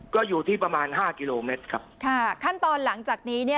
ก็อยู่ที่ประมาณห้ากิโลเมตรครับค่ะขั้นตอนหลังจากนี้เนี่ย